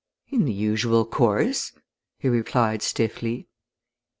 "In the usual course," he replied stiffly.